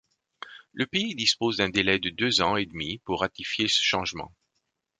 Le pays dispose d'un délai de deux ans et demi pour ratifier ce changement.